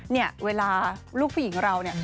เนี่ยเวลาลูกผู้หญิงเราเนี่ย